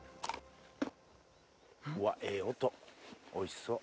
うわっええ音おいしそう。